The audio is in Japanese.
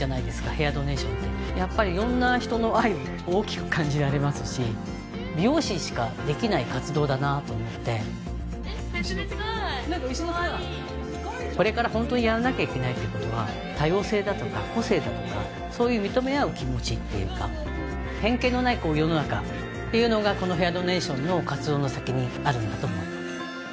ヘアドネーションってやっぱり色んな人の愛を大きく感じられますし美容師しかできない活動だなと思ってえっめっちゃ短いかわいいなんか後ろのさかわいいでしょこれからホントにやらなきゃいけないってことは多様性だとか個性だとかそういう認め合う気持ちっていうか偏見のない世の中っていうのがこのヘアドネーションの活動の先にあるんだと思います